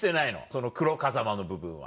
その黒風間の部分は。